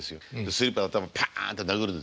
スリッパで頭パンって殴るんですよ。